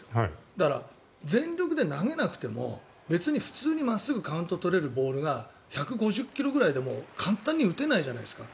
だから、全力で投げなくても普通に真っすぐでカウントを取れるボールが１５０ｋｍくらいで簡単に打てないじゃないですか。